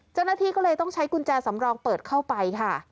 เจ้าหน้าที่ก็เลยต้องใช้กุญแจสำรองเปิดเข้าไปค่ะ